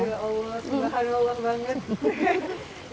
ya allah subhanallah banget